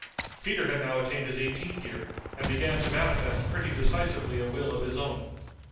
] Peter had now attained his eighteenth year, and began to manifest pretty decisively a will of his own.